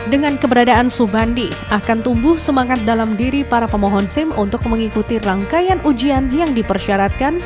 dengan keberadaan subandi akan tumbuh semangat dalam diri para pemohon sim untuk mengikuti rangkaian ujian yang dipersyaratkan